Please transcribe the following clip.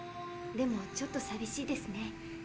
でもちょっとさびしいですね。